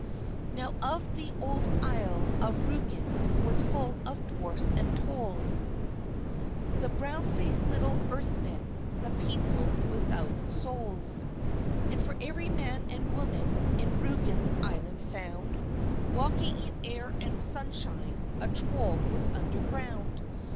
Now of old the isle of Rügen was full of Dwarfs and Trolls, The brown faced little Earth men, the people without souls; And for every man and woman in Rügen's island found Walking in air and sunshine, a Troll was underground.